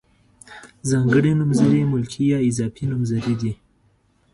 ځانګړي نومځري ملکي یا اضافي نومځري دي.